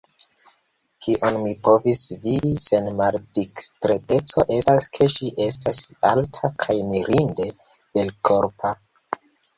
Kion mi povis vidi sen maldiskreteco, estas, ke ŝi estas alta kaj mirinde belkorpa.